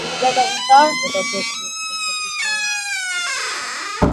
এটা তো খুব একটা তীক্ষ্ণও না!